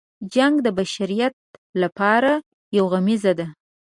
جنګ د بشریت لپاره یو غمیزه ده.